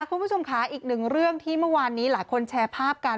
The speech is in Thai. คุณผู้ชมค่ะอีกหนึ่งเรื่องที่เมื่อวานนี้หลายคนแชร์ภาพกัน